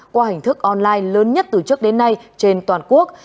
qua hình thức online lớn nhất từ trước đến nay trên toàn quốc